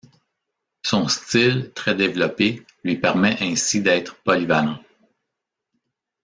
Son style, très développé lui permet ainsi d'être polyvalent.